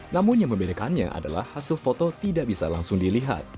namun yang membedakannya adalah hasil foto tidak bisa langsung dilihat